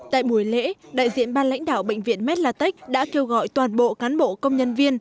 tại buổi lễ đại diện ban lãnh đạo bệnh viện medlatech đã kêu gọi toàn bộ cán bộ công nhân viên